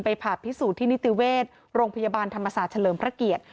ผ่าพิสูจน์ที่นิติเวชโรงพยาบาลธรรมศาสตร์เฉลิมพระเกียรติ